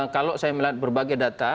kalau saya melihat berbagai data